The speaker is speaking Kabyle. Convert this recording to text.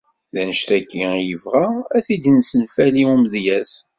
D annect-agi i yebɣa ad t-id issenfali umadyaz.